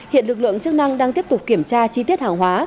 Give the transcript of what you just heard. hiện lực lượng chức năng đang tiếp tục kiểm tra chi tiết hàng hóa